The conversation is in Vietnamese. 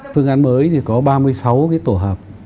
phương án mới thì có ba mươi sáu cái tổ hợp